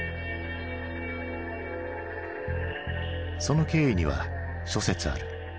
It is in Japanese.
その経緯には諸説ある。